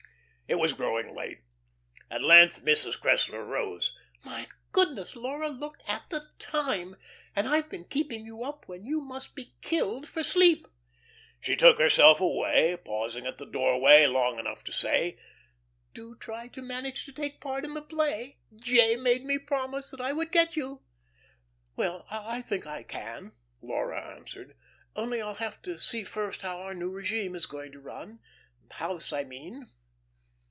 It was growing late. At length Mrs. Cressler rose. "My goodness, Laura, look at the time; and I've been keeping you up when you must be killed for sleep." She took herself away, pausing at the doorway long enough to say: "Do try to manage to take part in the play. J. made me promise that I would get you." "Well, I think I can," Laura answered. "Only I'll have to see first how our new regime is going to run the house I mean."